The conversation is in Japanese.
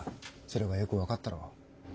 それがよく分かったろう。